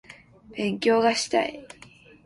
勉強がしたい